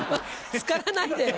つからないでよ！